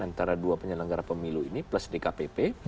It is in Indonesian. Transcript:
antara dua penyelenggara pemilu ini plus dkpp